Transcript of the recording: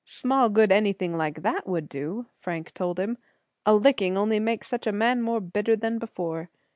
"Small good anything like that would do," Frank told him. "A licking only makes such a man more bitter than before.